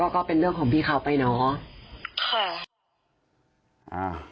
ก็เป็นเรื่องของพี่เขาไปเนาะ